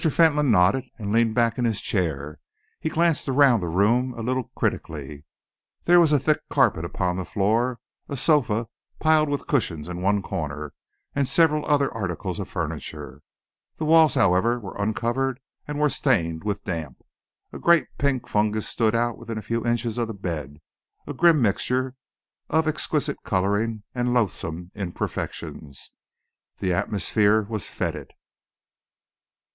Fentolin nodded and leaned back in his chair. He glanced around the room a little critically. There was a thick carpet upon the floor, a sofa piled with cushions in one corner, and several other articles of furniture. The walls, however, were uncovered and were stained with damp. A great pink fungus stood out within a few inches of the bed, a grim mixture of exquisite colouring and loathsome imperfections. The atmosphere was fetid.